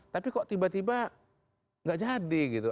tapi kok tiba tiba nggak jadi gitu